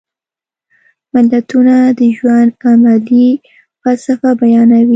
متلونه د ژوند عملي فلسفه بیانوي